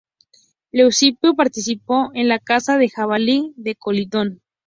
Leucipo participó en la caza del Jabalí de Calidón.